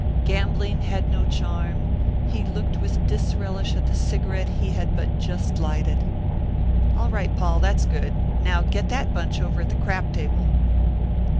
Gambling had no charm he looked with disrelish at the cigarette he had but just lighted. "All right, Paul, that's good. Now get that bunch over at the crap table."